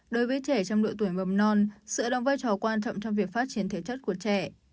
đối với trẻ trong độ tuổi mầm non sự đóng vai trò quan trọng trong việc phát triển thể chất của trẻ